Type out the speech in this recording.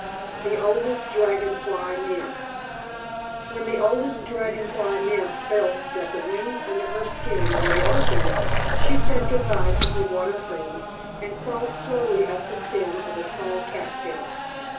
THE OLDEST DRAGON FLY NYMPH When the Oldest Dragon Fly Nymph felt that the wings under her skin were large enough, she said good bye to her water friends, and crawled slowly up the stem of a tall cat tail.